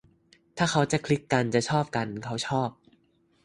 ถ้าเขาจะคลิกกัน จะชอบกัน เขาชอบ